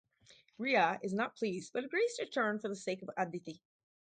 Ria is not pleased but agrees to return for the sake of Aditi.